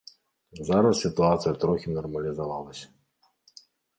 Зараз сітуацыя трохі нармалізавалася.